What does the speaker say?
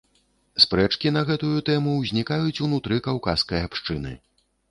Спрэчкі на гэтую тэму ўзнікаюць ўнутры каўказскай абшчыны.